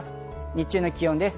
日中の気温です。